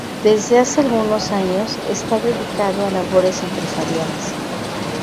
Desde hace algunos años está dedicado a labores empresariales.